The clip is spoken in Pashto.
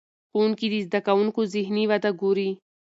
ښوونکي د زده کوونکو ذهني وده ګوري.